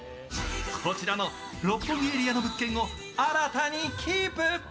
こちらの六本木エリアの物件を新たにキープ。